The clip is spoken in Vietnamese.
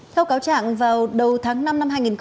theo cáo trạng vào đầu tháng năm năm hai nghìn hai mươi